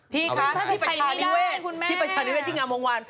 พี่คะที่ประชานิเวศที่งามวงวัน